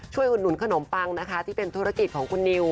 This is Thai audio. อุดหนุนขนมปังนะคะที่เป็นธุรกิจของคุณนิว